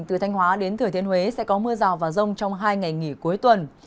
từ thanh hóa đến thừa thiên huế sẽ có mưa rào và rông trong hai ngày nghỉ cuối tuần